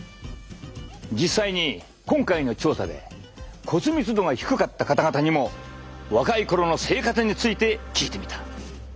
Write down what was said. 実際に今回の調査で骨密度が低かった方々にも若いころの生活について聞いてみた。